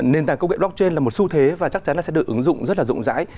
nền tảng công nghệ blockchain là một xu thế và chắc chắn là sẽ được ứng dụng rất là rộng rãi